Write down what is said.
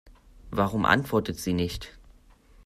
Warum antwortet sie nicht?